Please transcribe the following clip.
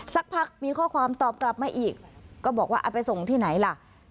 สักพักมีข้อความตอบกลับมาอีกก็บอกว่าเอาไปส่งที่ไหนล่ะ